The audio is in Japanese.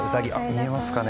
見えますかね。